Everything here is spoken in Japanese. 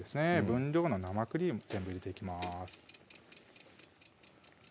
分量の生クリーム全部入れていきます